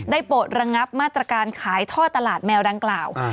โปรดระงับมาตรการขายท่อตลาดแมวดังกล่าว